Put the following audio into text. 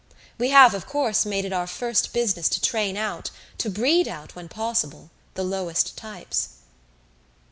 "We have, of course, made it our first business to train out, to breed out, when possible, the lowest types."